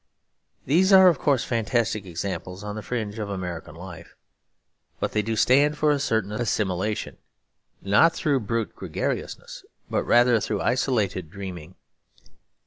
These are of course fantastic examples on the fringe of American life; but they do stand for a certain assimilation, not through brute gregariousness, but rather through isolated dreaming.